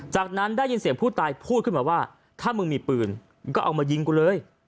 จากนั้นได้ยินเสียงผู้ตายพูดขึ้นมาว่าถ้ามึงมีปืนก็เอามายิงกูเลย